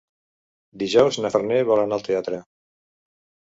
Dijous na Farners vol anar al teatre.